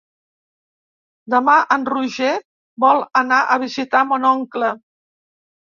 Demà en Roger vol anar a visitar mon oncle.